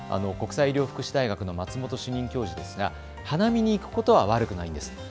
国際医療福祉大学の松本主任教授ですが花見に行くことは悪くないんです。